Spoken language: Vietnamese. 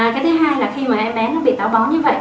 cái thứ hai là khi mà em bé nó bị táo bóng như vậy